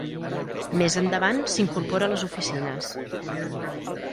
Més endavant s'incorpora a les oficines.